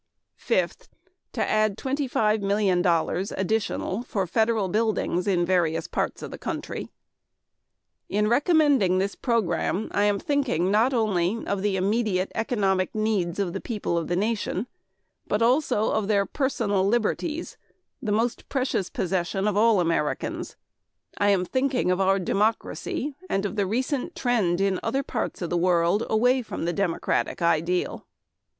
Fifth, to add twenty five million dollars additional for federal buildings in various parts of the country. In recommending this program I am thinking not only of the immediate economic needs of the people of the nation, but also of their personal liberties the most precious possession of all Americans. I am thinking of our democracy and of the recent trend in other parts of the world away from the democratic ideal.